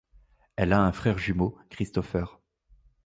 Elle a un frère jumeau, Christopher.